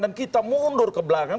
dan kita mundur ke belakang